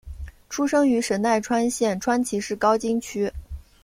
出生于神奈川县川崎市高津区。